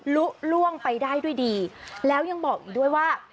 ลุล่วงไปได้ด้วยดีแล้วยังบอกอีกด้วยว่า